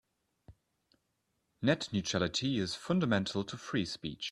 Net neutrality is fundamental to free speech.